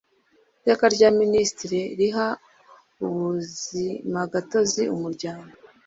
Iteka rya Minisitiri riha ubuzimagatozi umuryango